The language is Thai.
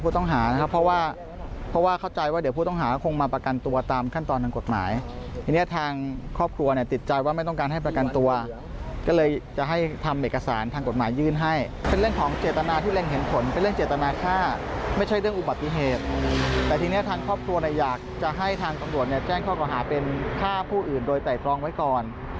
ทางตรวจแจ้งข้อหาเป็นฆ่าผู้อื่นโดยไตรรองไว้ก่อน